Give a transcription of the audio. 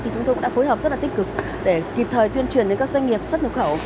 chúng tôi cũng đã phối hợp rất tích cực để kịp thời tuyên truyền đến các doanh nghiệp xuất nhập khẩu